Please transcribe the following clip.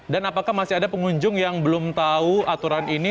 dan apakah masih ada pengunjung yang belum tahu aturan ini